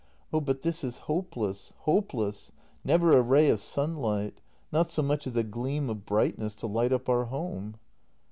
] Oh, but this is hopeless, hopeless! Never a ray of sunlight! Not so much as a gleam of brightness to light up our home!